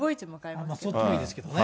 そっちもいいですけどね。